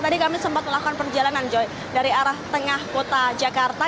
tadi kami sempat melakukan perjalanan joy dari arah tengah kota jakarta